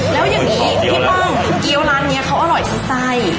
แล้วอย่างนี้พี่พ่อเกลียวร้านนี้เขาอร่อยสุดใส